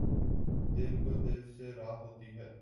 دِل کو دِل سے راہ ہوتی ہے